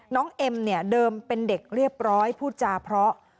น้องเอ็มเดิมเป็นเด็กเรียบร้อยผู้จาเพราะ